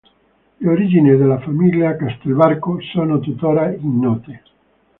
Le origini della famiglia Castelbarco sono tuttora ignote.